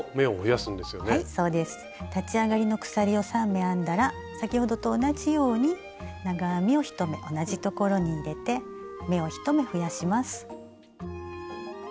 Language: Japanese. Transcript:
立ち上がりの鎖を３目編んだら先ほどと同じように長編みを１目同じところに入れて目を１目増やします。